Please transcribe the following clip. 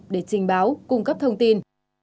để trình báo cung cấp thông tin